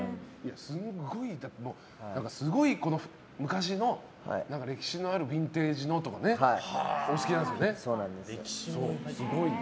すごい昔の歴史のあるビンテージのとかがお好きなんですよね。